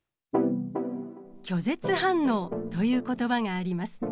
拒絶反応という言葉があります。